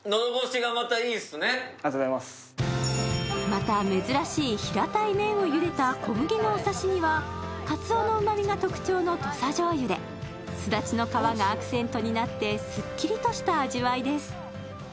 また珍しい平たい麺をゆでた小麦のお刺身はかつおのうまみが特徴の土佐じょうゆですだちの皮がアクセントになってすっきりとした味わいです。